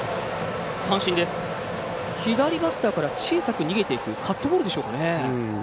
左バッターから小さく逃げていくカットボールでしょうかね。